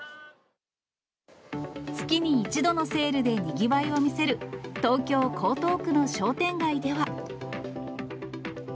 月に１度のセールでにぎわいを見せる東京・江東区の商店街では。